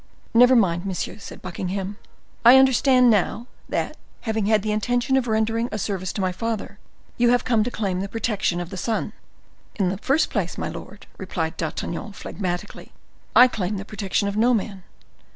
"Never mind, monsieur," said Buckingham. "I understand now, that, having had the intention of rendering a service to the father, you have come to claim the protection of the son." "In the first place, my lord," replied D'Artagnan, phlegmatically, "I claim the protection of no man.